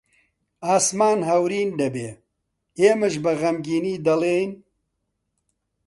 ئاسمان هەورین دەبێ، ئێمەش بە غەمگینی دەڵێین: